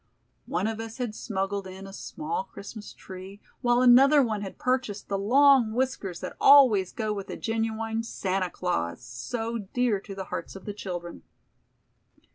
One of us had smuggled in a small Christmas tree, while another one had purchased the long whiskers that always go with a genuine "Santa Claus", so dear to the hearts of the children.